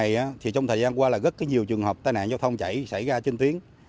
đối với cái lỗi này trong thời gian qua là rất nhiều trường hợp tai nạn giao thông chảy xảy ra trên tuyến